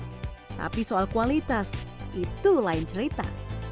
tapi soal kualitas itu lain cerita